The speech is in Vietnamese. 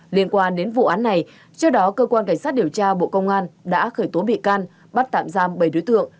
liên quan đến vụ án này trước đó cơ quan cảnh sát điều tra bộ công an đã khởi tố bị can bắt tạm giam bảy đối tượng